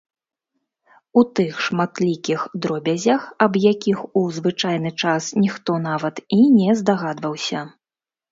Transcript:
У тых шматлікіх дробязях, аб якіх у звычайны час ніхто нават і не здагадваўся.